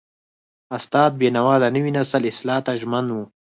استاد بینوا د نوي نسل اصلاح ته ژمن و.